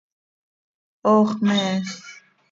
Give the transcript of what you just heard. Ox mee.